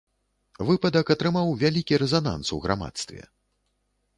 Выпадак атрымаў вялікі рэзананс у грамадстве.